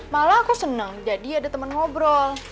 malah aku senang jadi ada teman ngobrol